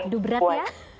aduh berat ya